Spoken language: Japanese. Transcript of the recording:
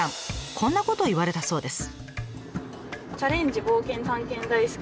こんなことを言われたそうです。